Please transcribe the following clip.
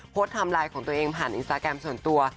ไทม์ไลน์ของตัวเองผ่านอินสตาแกรมส่วนตัว